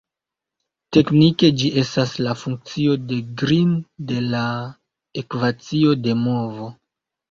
Teknike, ĝi estas la funkcio de Green de la ekvacio de movo.